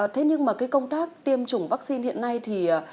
thế nhưng mà cái công tác tiêm chủng vaccine hiện nay thì